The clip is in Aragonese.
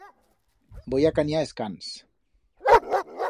Voi a caniar es cans.